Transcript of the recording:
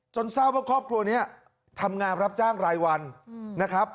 ทราบว่าครอบครัวนี้ทำงานรับจ้างรายวันนะครับ